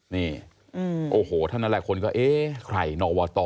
นี่โอ้โหเท่านั้นแหละคนก็เอ๊ะใครนอวต